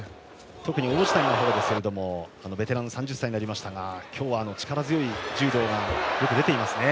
特に王子谷の方ですがベテラン、３０歳になりましたが今日は力強い柔道がよく出ていますね。